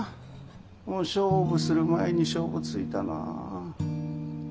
もう勝負する前に勝負ついたなあ。